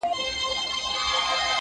پلونه یې بادونو له زمان سره شړلي دي،